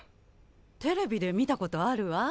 テレビで見たことあるわ。